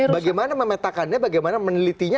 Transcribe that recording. bagaimana memetakannya bagaimana menelitinya